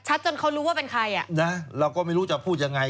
จนเขารู้ว่าเป็นใครอ่ะนะเราก็ไม่รู้จะพูดยังไง